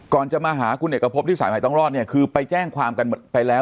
ก่อนจะมาหาคุณเอกพบที่สายใหม่ต้องรอดเนี่ยคือไปแจ้งความกันหมดไปแล้ว